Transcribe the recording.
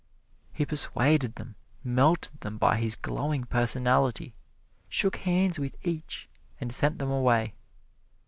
He persuaded them, melted them by his glowing personality, shook hands with each, and sent them away.